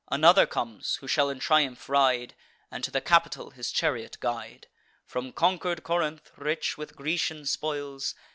Another comes, who shall in triumph ride, And to the Capitol his chariot guide, From conquer'd Corinth, rich with Grecian spoils.